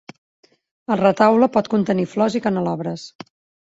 El retaule pot contenir flors i canelobres.